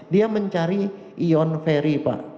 dia mencari ion ferry pak